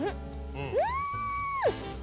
うん！